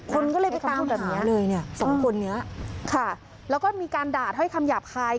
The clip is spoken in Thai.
คนก็เลยไปตามหาเลยเนี่ยสองคนนี้ค่ะแล้วก็มีการด่าเท้าให้คำหยาบคาย